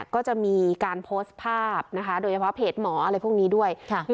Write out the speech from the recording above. ก็จะมีการโพสต์ภาพโดยเฉพาะเพจหมอและทุกอย่าง